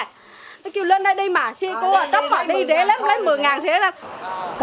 nó kêu lên đây đi mà xe cô à đọc mà đi lấy một mươi ngàn